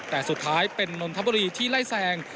แต่สุดท้ายเป็นนนทบุรีที่ไล่แซง